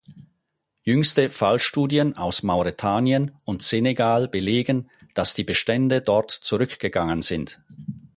Jüngste Fallstudien aus Mauretanien und Senegal belegen, dass die Bestände dort zurückgegangen sind.